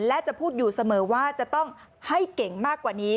และจะพูดอยู่เสมอว่าจะต้องให้เก่งมากกว่านี้